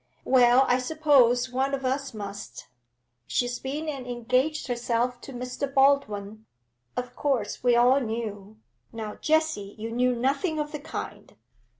'Well, I suppose one of us must. She's been and engaged herself to Mr. Baldwin. Of course we all knew ' 'Now, Jessie, you knew nothing of the kind!'